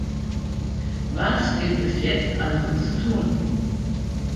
Was gilt es jetzt also zu tun?